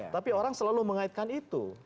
tapi orang selalu mengaitkan itu